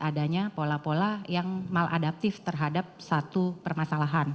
adanya pola pola yang maladaptif terhadap psikiatri itu maka kita harus memperhatikan itu dengan baik